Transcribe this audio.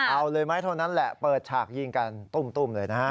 เอาเลยไหมเท่านั้นแหละเปิดฉากยิงกันตุ้มเลยนะฮะ